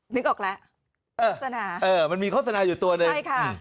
นึกออกแล้วโฆษณามันมีโฆษณาอยู่ตัวนึง